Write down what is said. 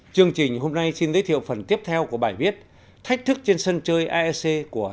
chương trình hôm nay xin giới thiệu phần tiếp theo của bài viết thách thức trên sân chơi asean của hà tuyết anh